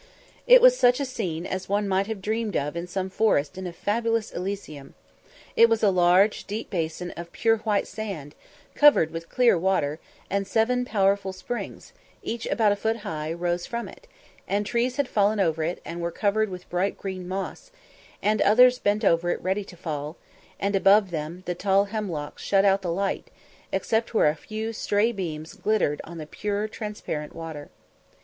It was such a scene as one might have dreamed of in some forest in a fabulous Elysium. It was a large, deep basin of pure white sand, covered with clear water, and seven powerful springs, each about a foot high, rose from it; and trees had fallen over it, and were covered with bright green moss, and others bent over it ready to fall; and above them the tall hemlocks shut out the light, except where a few stray beams glittered on the pure transparent water.